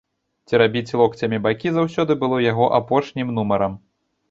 Церабіць локцямі бакі заўсёды было яго апошнім нумарам.